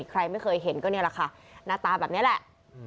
ใครไม่เคยเห็นก็นี่แหละค่ะหน้าตาแบบนี้แหละ